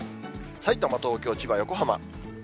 さいたま、東京、千葉、横浜。